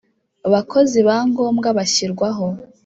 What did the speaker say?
Bakozi ba ngombwa bashyirwaho